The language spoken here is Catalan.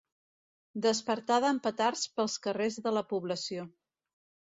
Despertada amb petards pels carrers de la població.